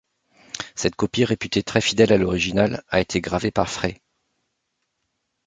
Cette copie, réputée très fidèle à l'original, a été gravée par Frey.